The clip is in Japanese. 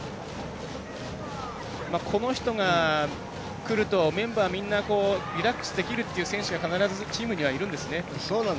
この人が来るとメンバーみんながリラックスできるという選手が必ずいるんですね。